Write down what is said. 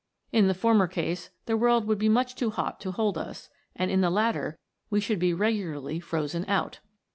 In the former case the world would be much too hot to hold us, and in the latter we should be regularly frozen out